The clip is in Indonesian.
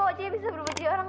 saya akan berbicara sama sama